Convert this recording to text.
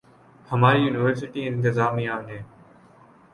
ہماری یونیورسٹی انتظامیہ نے